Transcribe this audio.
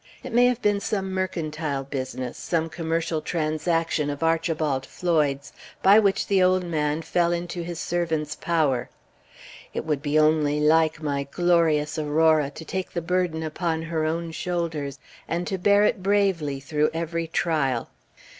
It may have been some mercantile business, some commercial transaction of Archibald Floyd's, by which the old man fell into his servant's power. It would be only like my glorious Aurora to take the burden upon her own shoulders, and to bear it bravely through every trial."